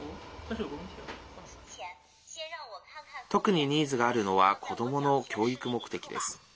特にニーズがあるのは子どもの教育目的です。